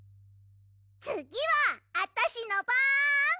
つぎはあたしのばん！